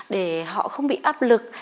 để họ không bị áp lực